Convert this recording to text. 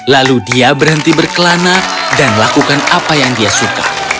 lalu dia berhenti berkelana dan lakukan apa yang dia suka